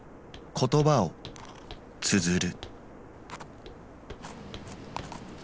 言葉をつづる。